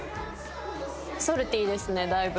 ソルティですねだいぶ。